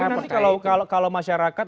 tapi nanti kalau masyarakat